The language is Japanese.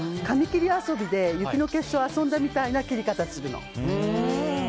紙切り遊びで雪の結晶を遊んだみたいな切り方をするの。